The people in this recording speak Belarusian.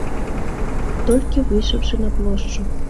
Толькі выйшаўшы на плошчу.